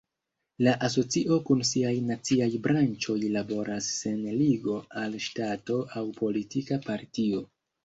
La asocio kun siaj naciaj branĉoj laboras sen ligo al ŝtato aŭ politika partio.